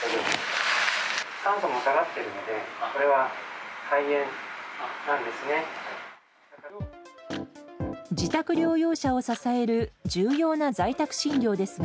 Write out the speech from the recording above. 酸素も下がってるので、これは肺炎なんですね。